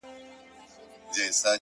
وجود پرېږدمه د وخت مخته به نڅا کومه!!